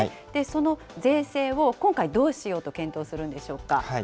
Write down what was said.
その税制を今回、どうしようと検討するんでしょうか。